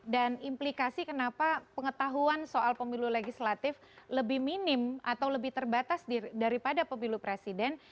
dan implikasi kenapa pengetahuan soal pemilu legislatif lebih minim atau lebih terbatas daripada pemilu presiden